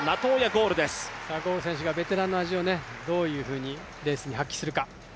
ゴウル選手がベテランの味をどういうふうにレースに発揮するか。